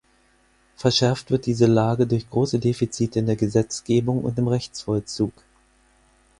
Verschärft wird diese Lage durch große Defizite in der Gesetzgebung und im Rechtsvollzug.